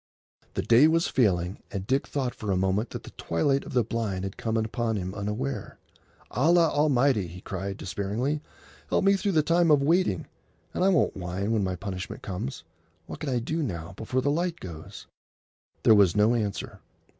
The day was failing, and Dick thought for a moment that the twilight of the blind had come upon him unaware. "Allah Almighty!" he cried despairingly, "help me through the time of waiting, and I won't whine when my punishment comes. What can I do now, before the light goes?" There was no answer.